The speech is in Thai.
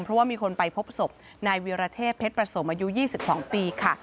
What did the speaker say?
เพราะว่ามีคนไปพบศพนายวิรเทพเพชรประสมอายุ๒๒ปีค่ะ